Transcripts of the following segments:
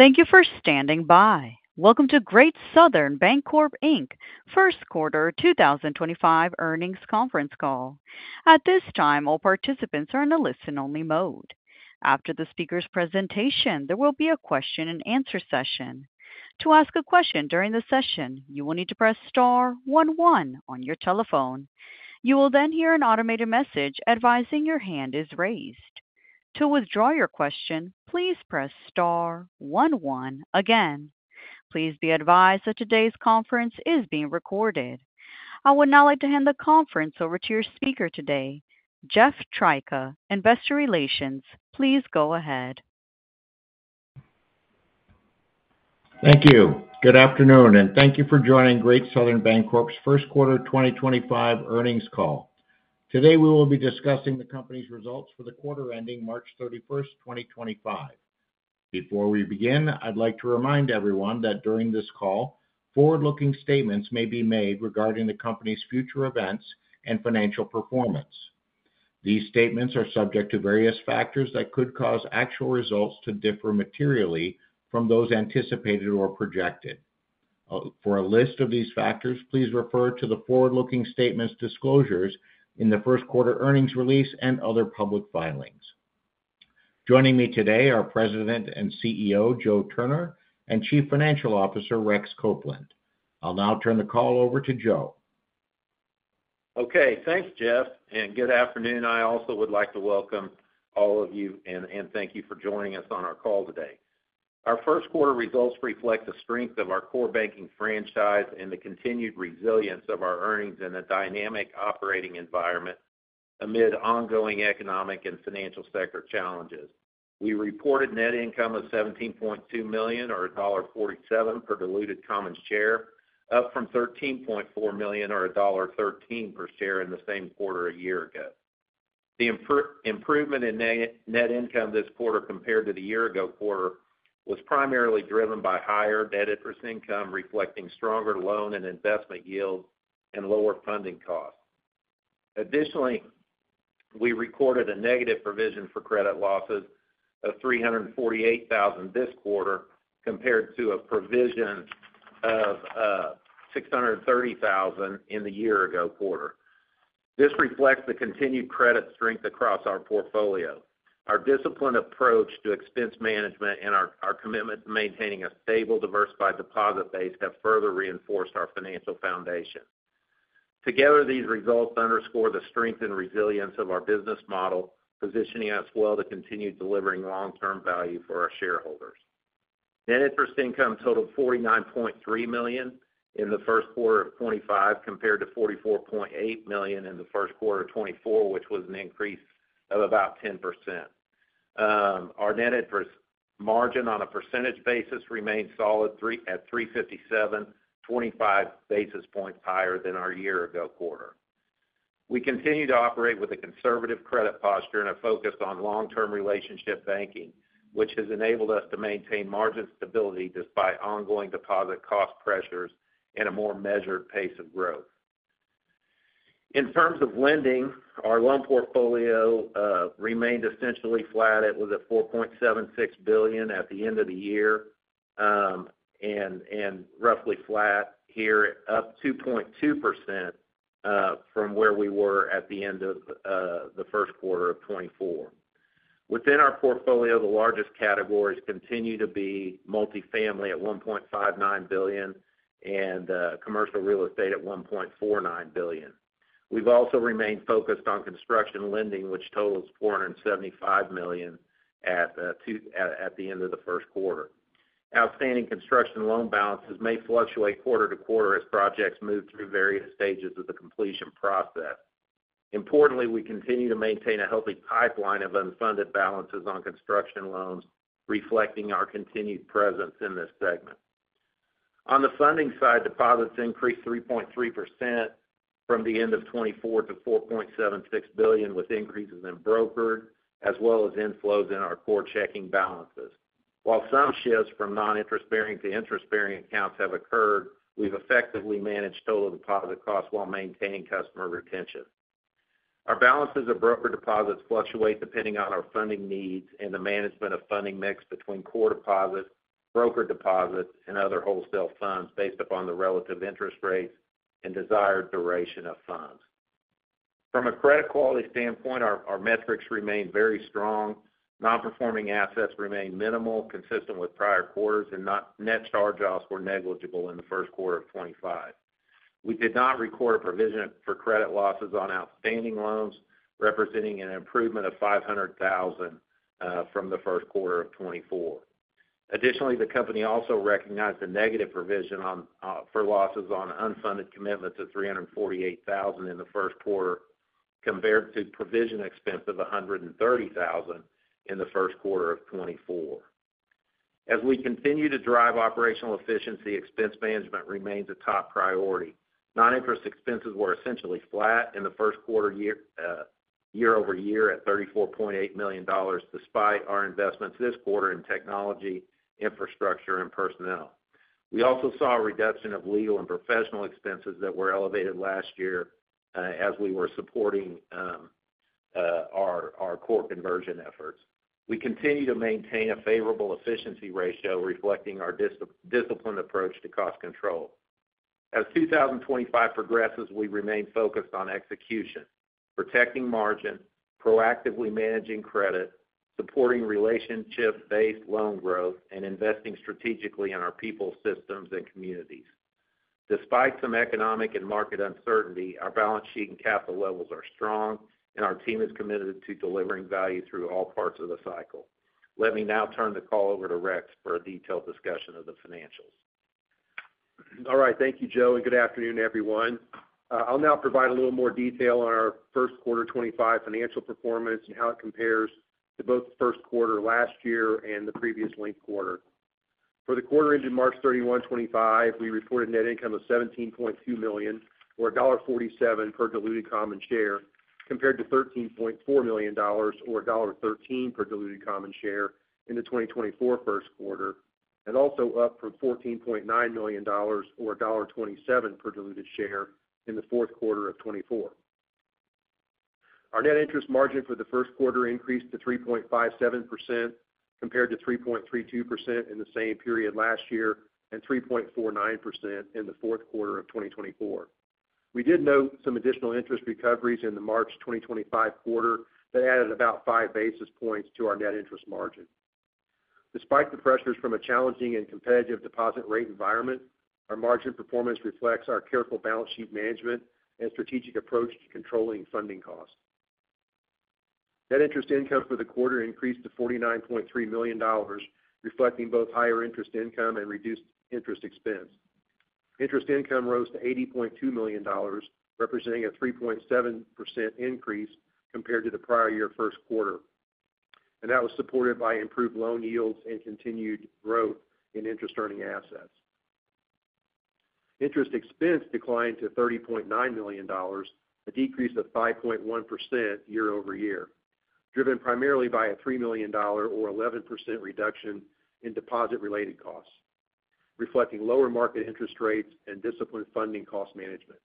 Thank you for standing by. Welcome to Great Southern Bancorp Q1 2025 earnings conference call. At this time, all participants are in a listen-only mode. After the speaker's presentation, there will be a Q&A session. To ask a question during the session, you will need to press star one one on your telephone. You will then hear an automated message advising your hand is raised. To withdraw your question, please press star one one again. Please be advised that today's conference is being recorded. I would now like to hand the conference over to your speaker today, Jeff Tryka, Investor Relations. Please go ahead. Thank you. Good afternoon, and thank you for joining Great Southern Bancorp's Q1 2025 Earnings Call. Today, we will be discussing the company's results for the quarter ending March 31st, 2025. Before we begin, I'd like to remind everyone that during this call, forward-looking statements may be made regarding the company's future events and financial performance. These statements are subject to various factors that could cause actual results to differ materially from those anticipated or projected. For a list of these factors, please refer to the forward-looking statements disclosures in the Q1 earnings release and other public filings. Joining me today are President and CEO Joe Turner and Chief Financial Officer Rex Copeland. I'll now turn the call over to Joe. Okay. Thanks, Jeff, and good afternoon. I also would like to welcome all of you and thank you for joining us on our call today. Our Q1 results reflect the strength of our core banking franchise and the continued resilience of our earnings in a dynamic operating environment amid ongoing economic and financial sector challenges. We reported net income of $17.2 million or $1.47 per diluted common share, up from $13.4 million or $1.13 per share in the same quarter a year ago. The improvement in net income this quarter compared to the year-ago quarter was primarily higher Net Interest Income reflecting stronger loan and investment yields and lower funding costs. Additionally, we recorded a negative provision for credit losses of $348,000 this quarter compared to a provision of $630,000 in the year-ago quarter. This reflects the continued credit strength across our portfolio. Our disciplined approach to expense management and our commitment to maintaining a stable, diversified deposit base have further reinforced our financial foundation. Together, these results underscore the strength and resilience of our business model, positioning us well to continue delivering long-term value for Net Interest Income totaled $49.3 million in the Q1 of 2025 compared to $44.8 million in the Q1 of 2024, which was an increase of about 10%. Our net interest margin on a percentage basis remained solid at 357.25 basis points higher than our year-ago quarter. We continue to operate with a conservative credit posture and a focus on long-term relationship banking, which has enabled us to maintain margin stability despite ongoing deposit cost pressures and a more measured pace of growth. In terms of lending, our loan portfolio remained essentially flat. It was at $4.76 billion at the end of the year and roughly flat here, up 2.2% from where we were at the end of the Q1 of 2024. Within our portfolio, the largest categories continue to be multifamily at $1.59 billion and commercial real estate at $1.49 billion. We've also remained focused on construction lending, which totals $475 million at the end of the Q1. Outstanding construction loan balances may fluctuate quarter to quarter as projects move through various stages of the completion process. Importantly, we continue to maintain a healthy pipeline of unfunded balances on construction loans, reflecting our continued presence in this segment. On the funding side, deposits increased 3.3% from the end of 2024 to $4.76 billion, with increases in brokered as well as inflows in our core checking balances. While some shifts from non-interest-bearing to interest-bearing accounts have occurred, we've effectively managed total deposit costs while maintaining customer retention. Our balances of brokered deposits fluctuate depending on our funding needs and the management of funding mix between core deposits, brokered deposits, and other wholesale funds based upon the relative interest rates and desired duration of funds. From a credit quality standpoint, our metrics remain very strong. Non-performing assets remain minimal, consistent with prior quarters, and net charge-offs were negligible in the Q1 of 2025. We did not record a provision for credit losses on outstanding loans, representing an improvement of $500,000 from the Q1 of 2024. Additionally, the company also recognized a negative provision for losses on unfunded commitments of $348,000 in the Q1 compared to provision expense of $130,000 in the Q1 of 2024. As we continue to drive operational efficiency, expense management remains a top priority. Non-interest expenses were essentially flat in the Q1 year-over-year at $34.8 million, despite our investments this quarter in technology, infrastructure, and personnel. We also saw a reduction of legal and professional expenses that were elevated last year as we were supporting our core conversion efforts. We continue to maintain a favorable efficiency ratio, reflecting our disciplined approach to cost control. As 2025 progresses, we remain focused on execution, protecting margin, proactively managing credit, supporting relationship-based loan growth, and investing strategically in our people, systems, and communities. Despite some economic and market uncertainty, our balance sheet and capital levels are strong, and our team is committed to delivering value through all parts of the cycle. Let me now turn the call over to Rex for a detailed discussion of the financials. All right. Thank you, Joe, and good afternoon, everyone. I'll now provide a little more detail on our Q1 2025 financial performance and how it compares to both the Q1 last year and the previous linked quarter. For the quarter ending March 31, 2025, we reported net income of $17.2 million, or $1.47 per diluted common share, compared to $13.4 million, or $1.13 per diluted common share in the 2024 Q1, and also up from $14.9 million, or $1.27 per diluted share in the Q4 of 2024. Our net interest margin for the Q1 increased to 3.57% compared to 3.32% in the same period last year and 3.49% in the Q4 of 2024. We did note some additional interest recoveries in the March 2025 quarter that added about five basis points to our net interest margin. Despite the pressures from a challenging and competitive deposit rate environment, our margin performance reflects our careful balance sheet management and strategic approach to controlling Net Interest Income for the quarter increased to $49.3 million, reflecting both higher interest income and reduced interest expense. Interest income rose to $80.2 million, representing a 3.7% increase compared to the prior year Q1. That was supported by improved loan yields and continued growth in interest-earning assets. Interest expense declined to $30.9 million, a decrease of 5.1% year-over-year, driven primarily by a $3 million, or 11% reduction in deposit-related costs, reflecting lower market interest rates and disciplined funding cost management.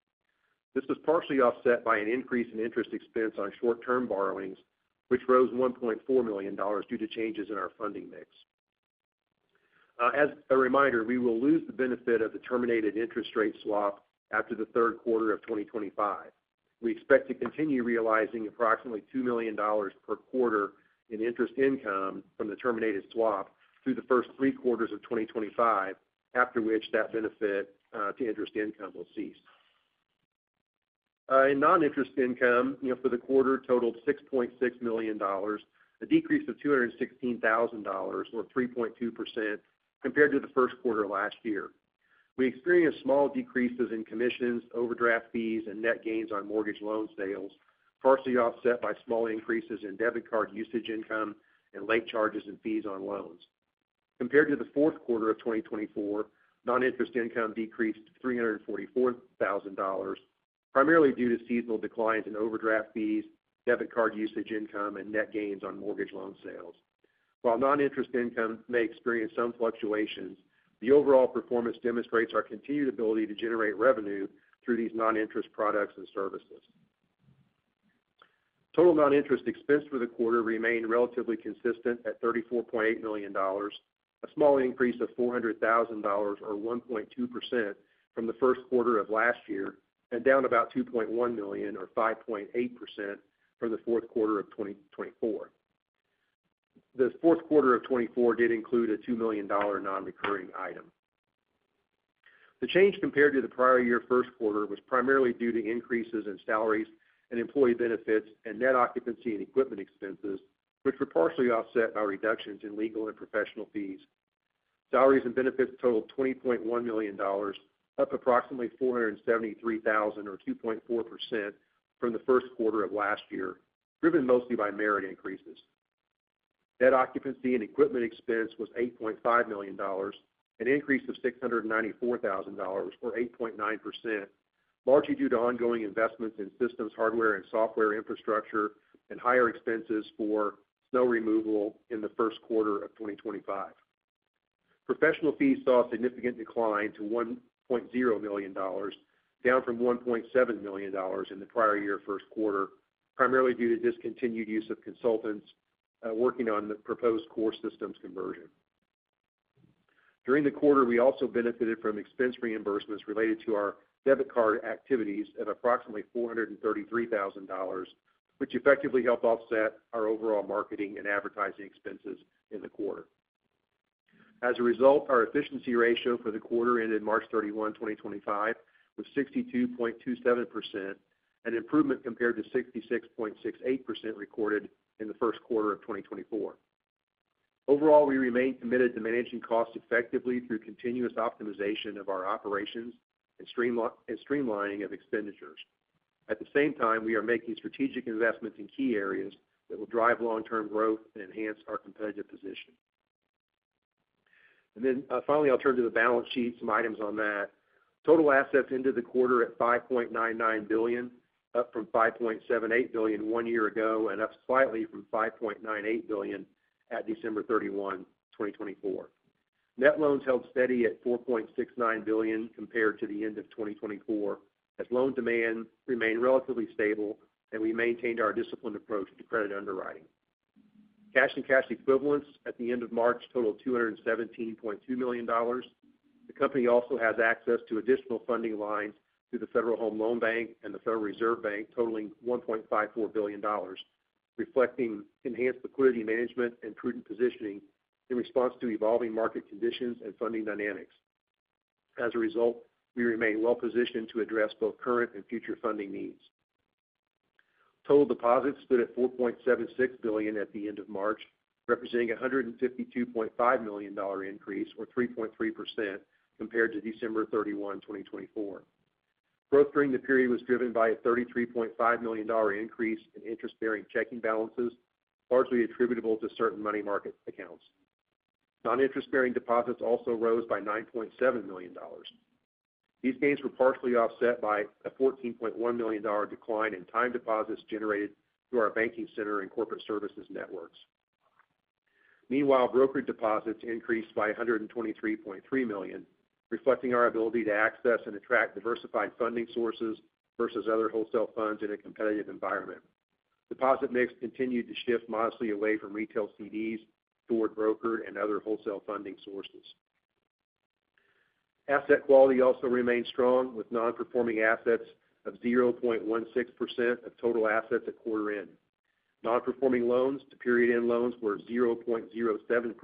This was partially offset by an increase in interest expense on short-term borrowings, which rose $1.4 million due to changes in our funding mix. As a reminder, we will lose the benefit of the terminated interest rate swap after the Q3 of 2025. We expect to continue realizing approximately $2 million per quarter in interest income from the terminated swap through the first three quarters of 2025, after which that benefit to interest income will cease. Non-interest income for the quarter totaled $6.6 million, a decrease of $216,000, or 3.2%, compared to the Q1 last year. We experienced small decreases in commissions, overdraft fees, and net gains on mortgage loan sales, partially offset by small increases in debit card usage income and late charges and fees on loans. Compared to the Q4 of 2024, non-interest income decreased $344,000, primarily due to seasonal declines in overdraft fees, debit card usage income, and net gains on mortgage loan sales. While non-interest income may experience some fluctuations, the overall performance demonstrates our continued ability to generate revenue through these non-interest products and services. Total non-interest expense for the quarter remained relatively consistent at $34.8 million, a small increase of $400,000, or 1.2%, from the Q1 of last year and down about $2.1 million, or 5.8%, from the Q4 of 2024. The Q4 of 2024 did include a $2 million non-recurring item. The change compared to the prior year Q1 was primarily due to increases in salaries and employee benefits and net occupancy and equipment expenses, which were partially offset by reductions in legal and professional fees. Salaries and benefits totaled $20.1 million, up approximately $473,000, or 2.4%, from the Q1 of last year, driven mostly by merit increases. Net occupancy and equipment expense was $8.5 million, an increase of $694,000, or 8.9%, largely due to ongoing investments in systems, hardware, and software infrastructure, and higher expenses for snow removal in the Q1 of 2025. Professional fees saw a significant decline to $1.0 million, down from $1.7 million in the prior year Q1, primarily due to discontinued use of consultants working on the proposed core systems conversion. During the quarter, we also benefited from expense reimbursements related to our debit card activities at approximately $433,000, which effectively helped offset our overall marketing and advertising expenses in the quarter. As a result, our efficiency ratio for the quarter ended March 31, 2025, was 62.27%, an improvement compared to 66.68% recorded in the Q1 of 2024. Overall, we remain committed to managing costs effectively through continuous optimization of our operations and streamlining of expenditures. At the same time, we are making strategic investments in key areas that will drive long-term growth and enhance our competitive position. Finally, I'll turn to the balance sheet, some items on that. Total assets ended the quarter at $5.99 billion, up from $5.78 billion one year ago and up slightly from $5.98 billion at December 31, 2024. Net loans held steady at $4.69 billion compared to the end of 2024, as loan demand remained relatively stable and we maintained our disciplined approach to credit underwriting. Cash and cash equivalents at the end of March totaled $217.2 million. The company also has access to additional funding lines through the Federal Home Loan Bank and the Federal Reserve Bank, totaling $1.54 billion, reflecting enhanced liquidity management and prudent positioning in response to evolving market conditions and funding dynamics. As a result, we remain well-positioned to address both current and future funding needs. Total deposits stood at $4.76 billion at the end of March, representing a $152.5 million increase, or 3.3%, compared to December 31, 2024. Growth during the period was driven by a $33.5 million increase in interest-bearing checking balances, largely attributable to certain money market accounts. Non-interest-bearing deposits also rose by $9.7 million. These gains were partially offset by a $14.1 million decline in time deposits generated through our banking center and corporate services networks. Meanwhile, brokered deposits increased by $123.3 million, reflecting our ability to access and attract diversified funding sources versus other wholesale funds in a competitive environment. Deposit mix continued to shift modestly away from retail CDs toward brokered and other wholesale funding sources. Asset quality also remained strong, with non-performing assets of 0.16% of total assets at quarter end. Non-performing loans to period-end loans were 0.07%.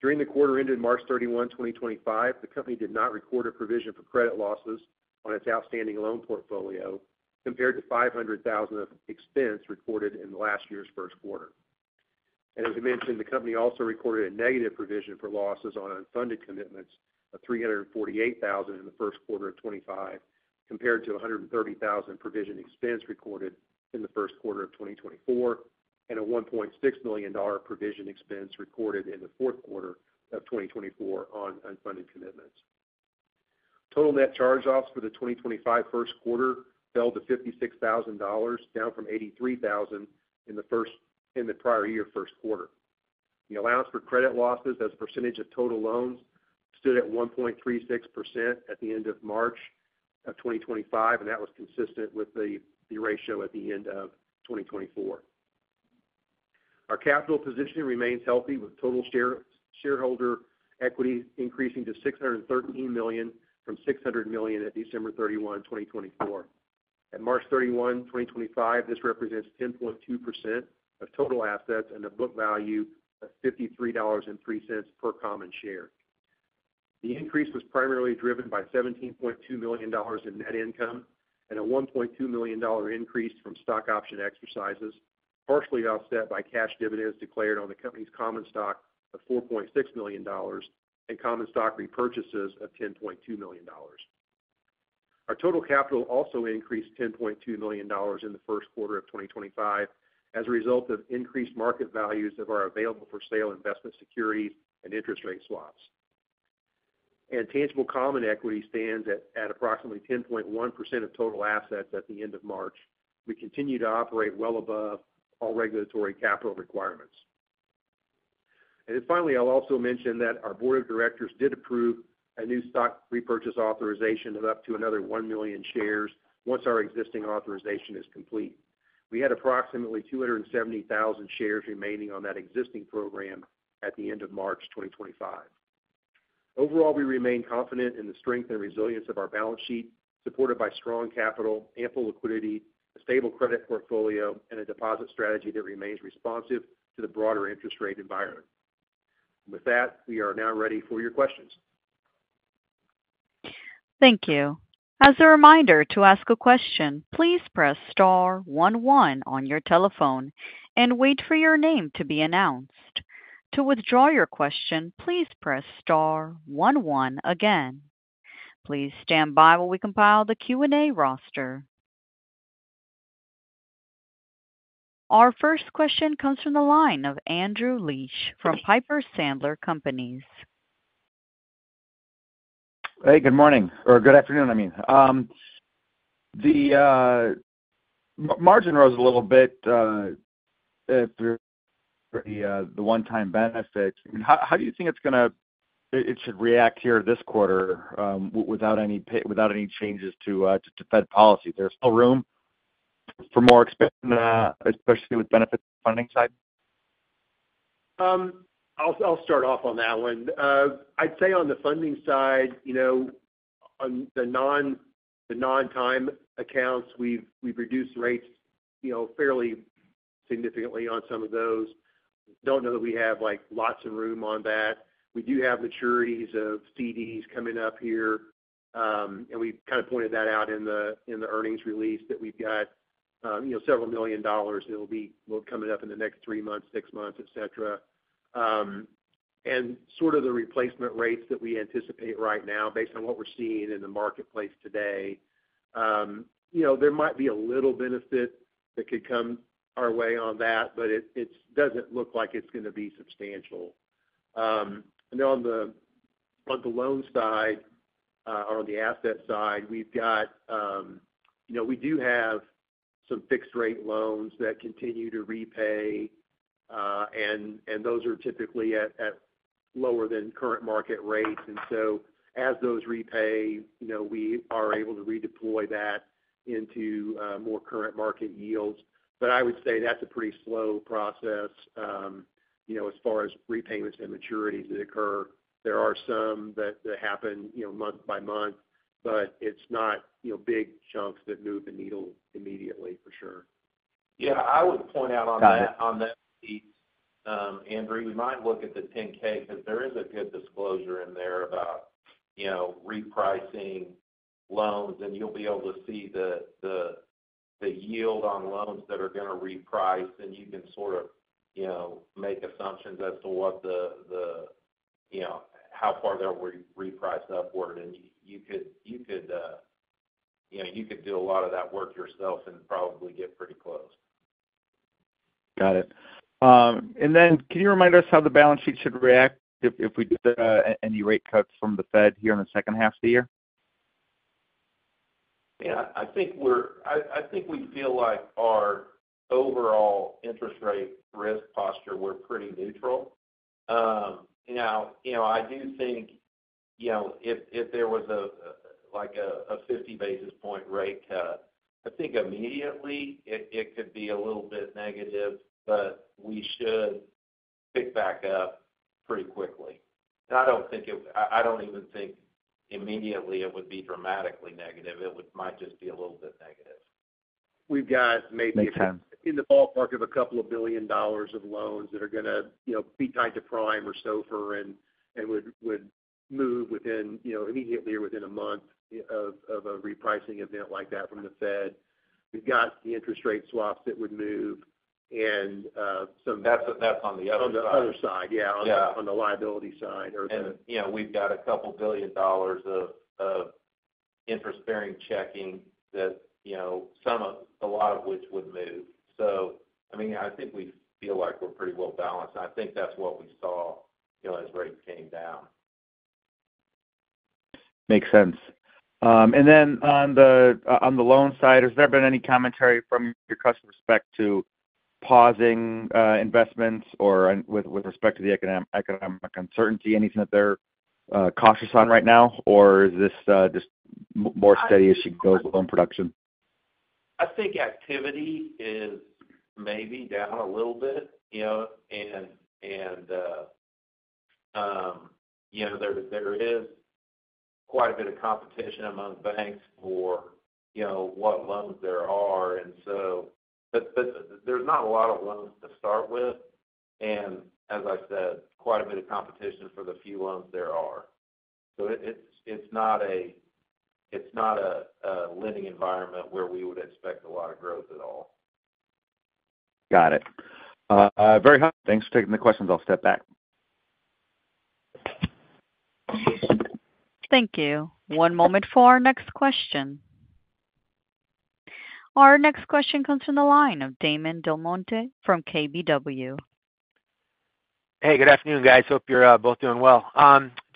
During the quarter ended March 31, 2025, the company did not record a provision for credit losses on its outstanding loan portfolio compared to $500,000 of expense recorded in last year's Q1. As we mentioned, the company also recorded a negative provision for losses on unfunded commitments of $348,000 in the Q1 of 2025, compared to $130,000 provision expense recorded in the Q1 of 2024, and a $1.6 million provision expense recorded in the Q4 of 2024 on unfunded commitments. Total net charge-offs for the 2025 Q1 fell to $56,000, down from $83,000 in the prior year Q1. The allowance for credit losses as a percentage of total loans stood at 1.36% at the end of March 2025, and that was consistent with the ratio at the end of 2024. Our capital position remains healthy, with total shareholder equity increasing to $613 million from $600 million at December 31, 2024. At March 31, 2025, this represents 10.2% of total assets and a book value of $53.03 per common share. The increase was primarily driven by $17.2 million in net income and a $1.2 million increase from stock option exercises, partially offset by cash dividends declared on the company's common stock of $4.6 million and common stock repurchases of $10.2 million. Our total capital also increased $10.2 million in the Q1 of 2025 as a result of increased market values of our available-for-sale investment securities and interest rate swaps. Tangible common equity stands at approximately 10.1% of total assets at the end of March. We continue to operate well above all regulatory capital requirements. Finally, I'll also mention that our board of directors did approve a new stock repurchase authorization of up to another 1 million shares once our existing authorization is complete. We had approximately 270,000 shares remaining on that existing program at the end of March 2025. Overall, we remain confident in the strength and resilience of our balance sheet, supported by strong capital, ample liquidity, a stable credit portfolio, and a deposit strategy that remains responsive to the broader interest rate environment. With that, we are now ready for your questions. Thank you. As a reminder to ask a question, please press star one one on your telephone and wait for your name to be announced. To withdraw your question, please press star one one again. Please stand by while we compile the Q&A roster. Our first question comes from the line of Andrew Liesch from Piper Sandler Companies. Hey, Good morning, or Good afternoon. The margin rose a little bit for the one-time benefits. How do you think it should react here this quarter without any changes to Fed policy? Is there still room for more expansion, especially with benefits on the funding side? I'll start off on that one. I'd say on the funding side, on the non-time accounts, we've reduced rates fairly significantly on some of those. Don't know that we have lots of room on that. We do have maturities of CDs coming up here, and we kind of pointed that out in the earnings release that we've got several million dollars that will be coming up in the next three months, six months, etc. The replacement rates that we anticipate right now, based on what we're seeing in the marketplace today, there might be a little benefit that could come our way on that, but it doesn't look like it's going to be substantial. On the loan side, or on the asset side, we do have some fixed-rate loans that continue to repay, and those are typically at lower than current market rates. As those repay, we are able to redeploy that into more current market yields. I would say that's a pretty slow process as far as repayments and maturities that occur. There are some that happen month by month, but it's not big chunks that move the needle immediately, for sure. Yeah, I would point out on that piece, Andrew, we might look at the 10K because there is a good disclosure in there about repricing loans, and you'll be able to see the yield on loans that are going to reprice, and you can sort of make assumptions as to how far they'll reprice upward. You could do a lot of that work yourself and probably get pretty close. Got it. Can you remind us how the balance sheet should react if we get any rate cuts from the Fed here in the second half of the year? Yeah, we feel like our overall interest rate risk posture, we're pretty neutral. I do think if there was a 50 basis point rate cut, immediately it could be a little bit negative, but we should pick back up pretty quickly. I don't even think immediately it would be dramatically negative. It might just be a little bit negative. We've got maybe in the ballpark of a couple of billion dollars of loans that are going to be tied to prime or SOFR and would move immediately or within a month of a repricing event like that from the Fed. We've got the interest rate swaps that would move and some. That's on the other side. On the other side, yeah, on the liability side. We have a couple billion dollars of interest-bearing checking that a lot of which would move. We feel like we're pretty well balanced. That's what we saw as rates came down. Makes sense. On the loan side, has there been any commentary from your customers with respect to pausing investments or with respect to the economic uncertainty, anything that they're cautious on right now, or is this just more steady as she goes with loan production? Activity is maybe down a little bit, and there is quite a bit of competition among banks for what loans there are. There is not a lot of loans to start with. As I said, quite a bit of competition for the few loans there are. It is not a lending environment where we would expect a lot of growth at all. Got it. Very hot. Thanks for taking the questions. I'll step back. Thank you. One moment for our next question. Our next question comes from the line of Damon DelMonte from KBW. Hey, good afternoon, guys. Hope you're both doing well.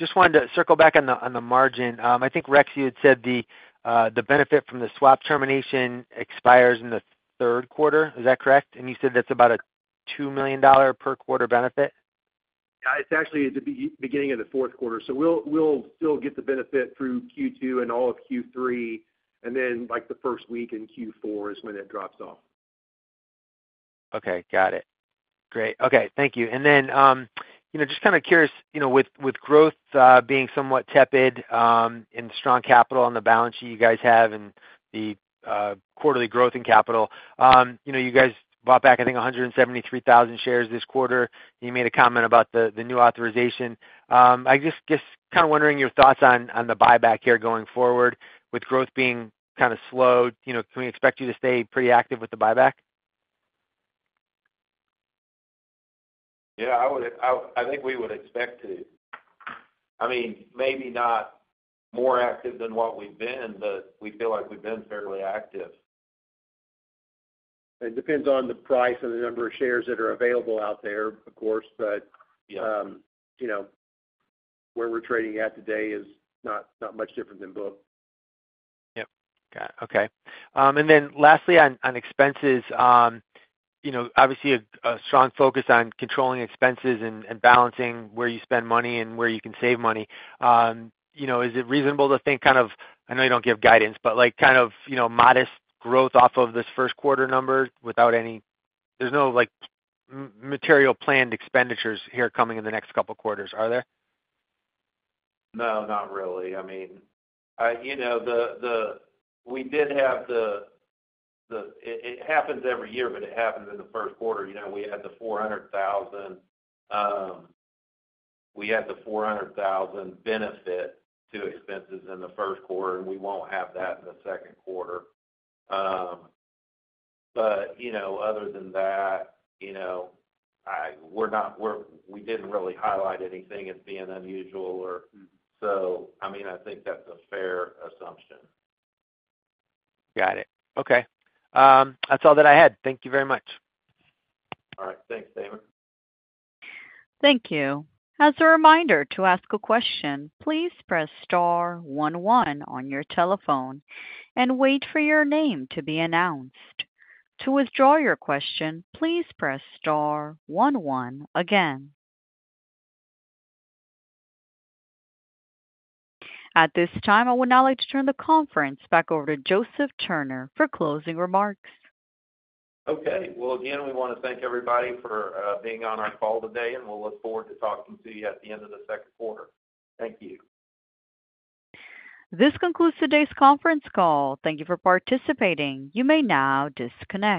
Just wanted to circle back on the margin. Rex, you had said the benefit from the swap termination expires in the Q3. Is that correct? You said that's about a $2 million per quarter benefit? Yeah, it's actually at the beginning of the Q4. We'll still get the benefit through Q2 and all of Q3, and then the first week in Q4 is when it drops off. Okay, got it. Great. Okay, thank you. Just kind of curious, with growth being somewhat tepid and strong capital on the balance sheet you guys have and the quarterly growth in capital, you guys bought back, I think, 173,000 shares this quarter. You made a comment about the new authorization. I guess kind of wondering your thoughts on the buyback here going forward. With growth being kind of slow, can we expect you to stay pretty active with the buyback? Yeah, we would expect to. Maybe not more active than what we've been, but we feel like we've been fairly active. It depends on the price and the number of shares that are available out there, of course, but where we're trading at today is not much different than book. Yep. Got it. Okay. Lastly, on expenses, obviously a strong focus on controlling expenses and balancing where you spend money and where you can save money. Is it reasonable to think kind of—I know you don't give guidance, but kind of modest growth off of this Q1 number without any—there's no material planned expenditures here coming in the next couple of quarters, are there? No, not really. It happens every year, but it happens in the Q1. We had the $400,000. We had the $400,000 benefit to expenses in the Q1, and we won't have that in the Q2. Other than that, we didn't really highlight anything as being unusual. That's a fair assumption. Got it. Okay. That's all that I had. Thank you very much. All right. Thanks, Damon. Thank you. As a reminder to ask a question, please press star one one on your telephone and wait for your name to be announced. To withdraw your question, please press star one one again. At this time, I would now like to turn the conference back over to Joseph Turner for closing remarks. Okay. Again, we want to thank everybody for being on our call today, and we'll look forward to talking to you at the end of the Q2. Thank you. This concludes today's conference call. Thank you for participating. You may now disconnect.